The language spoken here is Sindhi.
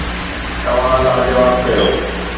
توهان لاجواب ڪيو.